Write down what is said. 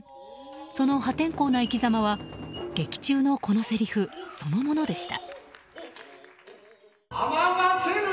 その破天荒な生きざまは劇中のこのせりふそのものでした。